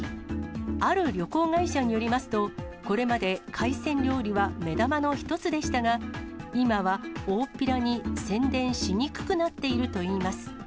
ある旅行会社によりますと、これまで海鮮料理は目玉の一つでしたが、今はおおっぴらに宣伝しにくくなっているといいます。